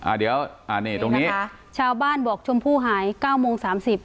อ่ะเดี๋ยวอ่ะนี่ตรงนี้นะคะชาวบ้านบอกชมภูโหขาย๙โมง๓๐